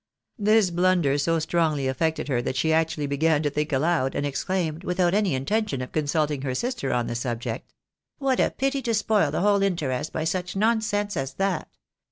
This blunder so strongly affected her tha,t she actually began to think aloud, and exclaimed, without any intention of consulting her sister on the subject, " What a pity to spoil the whole interest by such nonsense as that